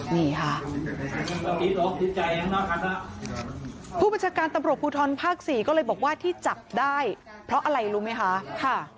นี่ค่ะผู้บัญชาการตำรวจภูทรภาคสี่ก็เลยบอกว่าที่จับได้เพราะอะไรรู้ไหมคะ